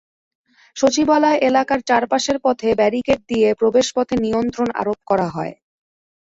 সচিবালয় এলাকার চারপাশের পথে ব্যারিকেড দিয়ে প্রবেশপথে নিয়ন্ত্রণ আরোপ করা হয়।